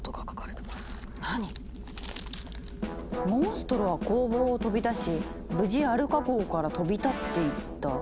「モンストロは工房を飛び出し無事アルカ号から飛び立っていった。